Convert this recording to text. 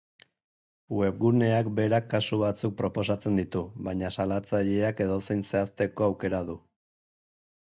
Webguneak berak kasu batzuk proposatzen ditu, baina salatzaileak edozein zehazteko aukera du.